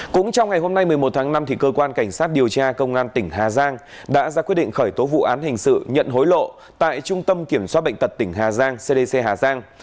cũng trong ngày hôm nay một mươi một tháng năm cơ quan cảnh sát điều tra công an tỉnh hà giang đã ra quyết định khởi tố vụ án hình sự nhận hối lộ tại trung tâm kiểm soát bệnh tật tỉnh hà giang cdc hà giang